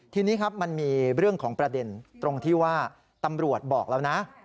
ทีนี้ครับมันมีเรื่องของประเด็นตรงที่ว่าตำรวจบอกแล้วนะ